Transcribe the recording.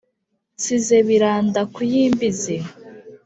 nsize biranda ku y’imbizi